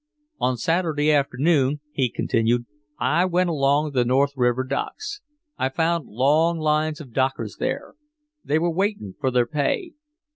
"On Saturday afternoon," he continued, "I went along the North River docks. I found long lines of dockers there they were waiting for their pay.